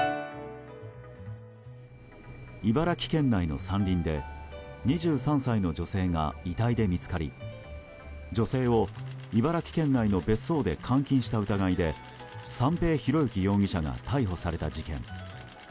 茨城県内の山林で２３歳の女性が遺体で見つかり女性を茨城県内の別荘で監禁した疑いで三瓶博幸容疑者が逮捕された事件。